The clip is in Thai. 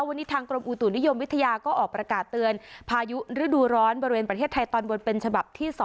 วันนี้ทางกรมอุตุนิยมวิทยาก็ออกประกาศเตือนพายุฤดูร้อนบริเวณประเทศไทยตอนบนเป็นฉบับที่๒